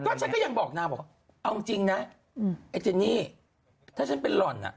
บอกนางก็บอกว่าเอาจริงนะไอ้เจนี่ถ้าฉันเป็นหล่อน